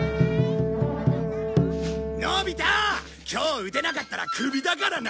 のび太今日打てなかったらクビだからな！